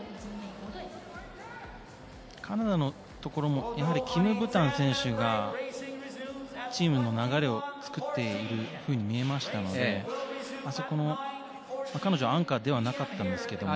カナダのところもキム・ブタン選手がチームの流れを作っているふうに見えましたので彼女はアンカーではなかったんですが。